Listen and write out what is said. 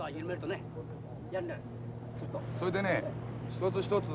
それでね一つ一つ